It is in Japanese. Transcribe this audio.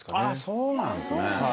そうなんですね。